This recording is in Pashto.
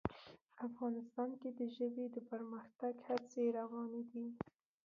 افغانستان کې د ژبې د پرمختګ هڅې روانې دي.